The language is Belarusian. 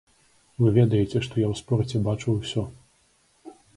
Вы ведаеце, што я ў спорце бачу ўсё.